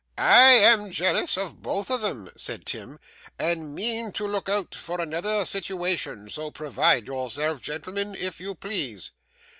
'I am jealous of both of 'em,' said Tim, 'and mean to look out for another situation; so provide yourselves, gentlemen, if you please.